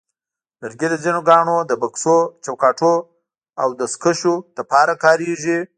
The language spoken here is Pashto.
لرګي د ځینو ګاڼو د بکسونو، چوکاټونو، او دستکشیو لپاره کارېږي.